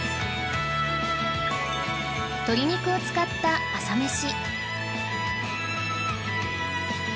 鶏肉を使った朝メシ